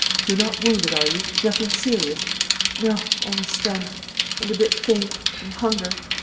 You're not wounded, are you? Nothing serious?" "No, only stunned and a bit faint from hunger....